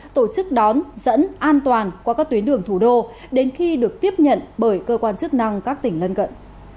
tổ chức đón dẫn an toàn qua các tuyến đường thủ đô đến khi được tiếp nhận bởi cơ quan chức năng các tỉnh lân cận